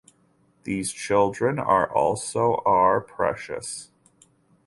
These children are also our precious.